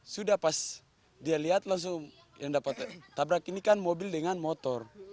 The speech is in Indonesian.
sudah pas dia lihat langsung yang dapat tabrak ini kan mobil dengan motor